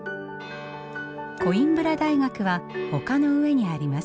コインブラ大学は丘の上にあります。